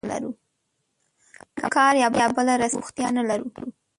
که موږ کار یا بله رسمي بوختیا نه لرو